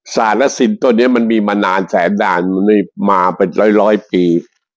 ศาสตร์และสินตัวนี้มันมีมานานแสนดาลมันมีมาเป็นร้อยปี